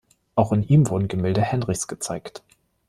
Auch in ihm wurden Gemälde Hendrichs gezeigt.